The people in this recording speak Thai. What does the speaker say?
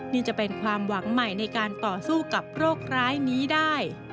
นี่จะเป็นความหวังใหม่ในการต่อสู้กับโรคร้ายนี้ได้